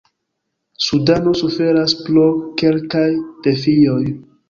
Sudano suferas pro kelkaj defioj.